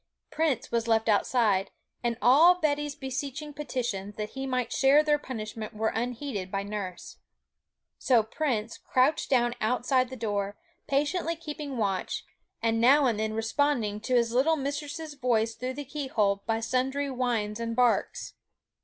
Prince was left outside; and all Betty's beseeching petitions that he might share their punishment were unheeded by nurse. So Prince crouched down outside the door, patiently keeping watch, and now and then responding to his little mistress's voice through the keyhole by sundry whines and barks.